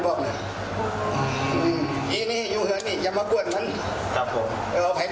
ก็อันนี้บาทยองเยอะพ่อกับมะม่ายที่นี่